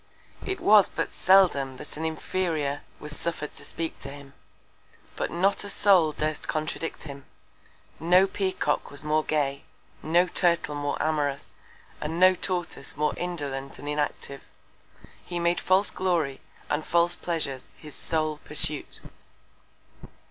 It was but seldom that an Inferior was suffer'd to speak to him; but not a Soul durst contradict him: No Peacock was more gay; no Turtle more amorous; and no Tortoise more indolent and inactive. He made false Glory and false Pleasures his sole Pursuit.